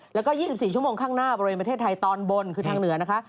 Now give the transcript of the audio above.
แล้วก็๒๔ชั่วโมงข้างหน้าบริเวณประเทศไทยตอนบนคือทางเหนือนะคะ